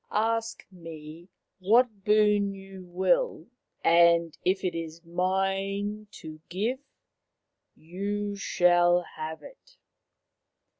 " Ask me what boon you will, and if it is mine to give you shall have it."